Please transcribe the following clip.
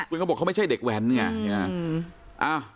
คุณก็บอกเขาไม่ใช่เด็กแว้นไง